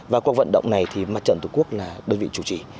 và qua vận động này thì mặt trận tổ quốc là đơn vị chủ trì